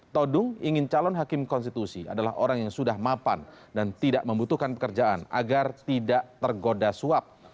todung ingin calon hakim konstitusi adalah orang yang sudah mapan dan tidak membutuhkan pekerjaan agar tidak tergoda suap